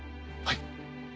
はい。